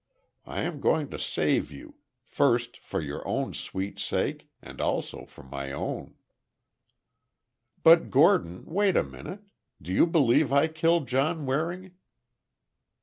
I am going to save you—first, for your own sweet sake, and also for my own." "But, Gordon, wait a minute. Do you believe I killed John Waring?"